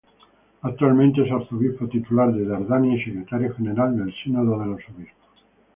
Actualmente es arzobispo titular de Dardania y secretario general del Sínodo de los obispos.